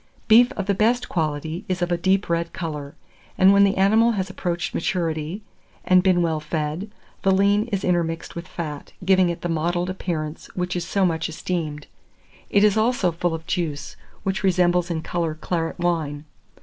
Beef of the best quality is of a deep red colour; and when the animal has approached maturity, and been well fed, the lean is intermixed with fat, giving it the mottled appearance which is so much esteemed. It is also full of juice, which resembles in colour claret wine.